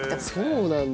そうなんだ。